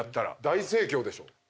大盛況でしょ。